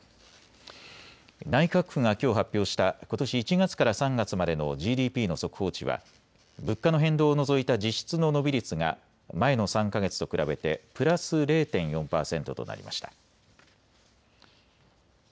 内閣府がきょう発表したことし１月から３月までのＧＤＰの速報値は、物価の変動を除いた実質の伸び率が前の３か月と比べてプラス０．４％となりました。